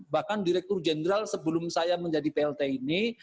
bahkan direktur jenderal sebelum saya menjadi plt ini